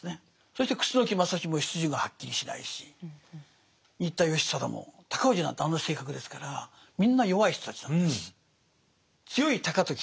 そして楠木正成も出自がはっきりしないし新田義貞も高氏なんてあんな性格ですからみんな弱い人たちなんです。